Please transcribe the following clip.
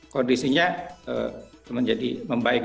kondisinya menjadi membaik